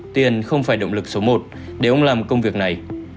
tiền không phải động lực số một để ông làm công việc này